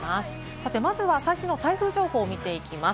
さて、まずは最新の台風情報を見ていきます。